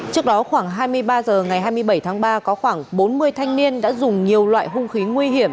trước đó khoảng hai mươi ba h ngày hai mươi bảy tháng ba có khoảng bốn mươi thanh niên đã dùng nhiều loại hung khí nguy hiểm